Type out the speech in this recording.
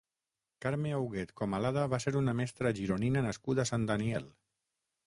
Carme Auguet Comalada va ser una mestra gironina nascuda a Sant Daniel.